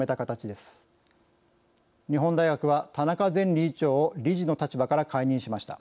日本大学は田中前理事長を理事の立場から解任しました。